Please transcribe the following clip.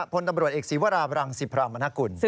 พลตำรวจเอกศีวราบรังสิพรามนกุล